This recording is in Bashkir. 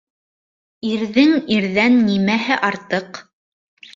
Ирҙең ирҙән нимәһе артыҡ?